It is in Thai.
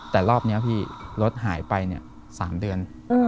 แต่รอบนี้พี่รถหายไป๓เดือน